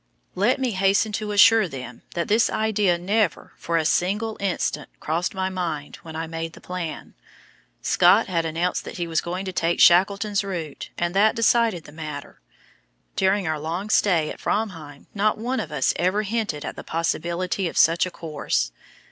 Let me hasten to assure them that this idea never for a single instant crossed my mind when I made the plan. Scott had announced that he was going to take Shackleton's route, and that decided the matter. During our long stay at Framheim not one of us ever hinted at the possibility of such a course.